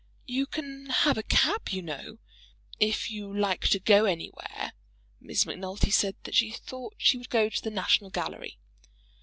"You can have a cab, you know, if you like to go anywhere." Miss Macnulty said she thought she would go to the National Gallery.